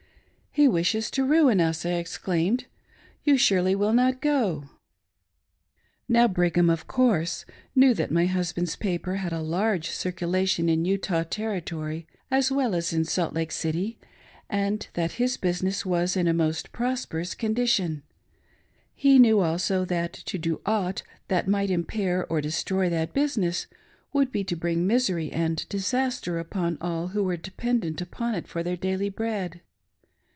" He wishes to ruin us !" I exclaimed ;" You surely will not go !" Now Brigham, of course, knew that my husband's paper had a large circulation in Utah Territory as well as in Salt Lake City, and that his business was in a most prosperous condition ; he knew also that to do aught that might impair or destroy that business, would be to bring misery and disaster upon all who were dependent upon it for their daily bread.